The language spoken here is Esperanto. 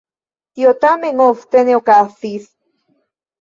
Tio tamen ofte ne okazis.